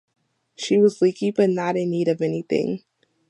She was leaky but not in need of anything.